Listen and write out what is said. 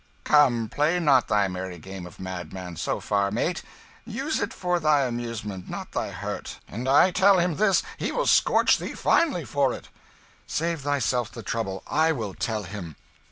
"Come, play not thy merry game of madman so far, mate; use it for thy amusement, not thy hurt. An' I tell him this, he will scorch thee finely for it." "Save thyself the trouble. I will tell him."